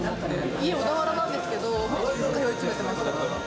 家は小田原なんですけど、通い詰めてます。